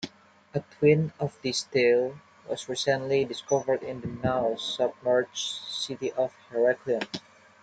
A twin of this stele was recently discovered in the now-submerged city of Heracleion.